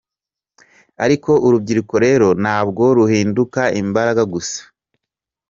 Ariko urubyiruko rero ntabwo ruhinduka imbaraga gusa.